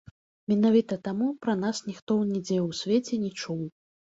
Менавіта таму пра нас ніхто нідзе ў свеце не чуў.